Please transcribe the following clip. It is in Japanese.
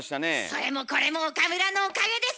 それもこれも岡村のおかげです！